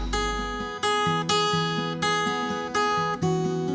chị sở thích chú